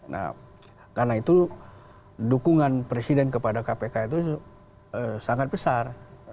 nah karena itu dukungan presiden kepada kpk itu sangat besar